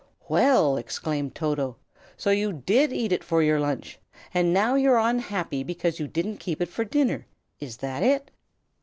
"Well!" exclaimed Toto. "So you did eat it for your lunch, and now you are unhappy because you didn't keep it for dinner. Is that it?"